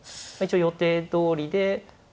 一応予定どおりで。